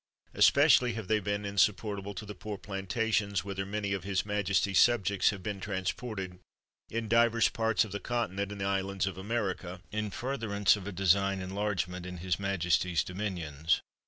Especially they have been in supportable to the poor plantations, whither many of his majesty's subjects have been trans ported, in divers parts of the Continent and islands of America, in furtherance of a design enlargement of his majesty's dominions.